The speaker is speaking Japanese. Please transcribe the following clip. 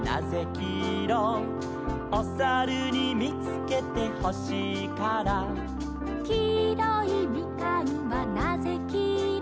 「おさるにみつけてほしいから」「きいろいミカンはなぜきいろ」